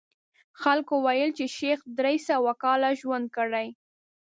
خلکو ویل چې شیخ درې سوه کاله ژوند کړی.